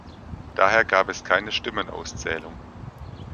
Daher gab es keine Stimmenauszählung.